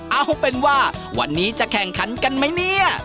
เอาเป็นว่าวันนี้จะแข่งขันกันไหมเนี่ย